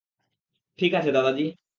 ঠিক আছে, দাদাজি।